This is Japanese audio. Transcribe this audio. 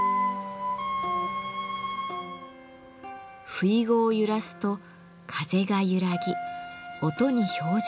ふいごを揺らすと風が揺らぎ音に表情が生まれます。